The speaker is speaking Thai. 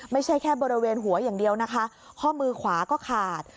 ไม่ใช่แค่บริเวณหัวอย่างเดียวนะคะข้อมือขวาก็ขาด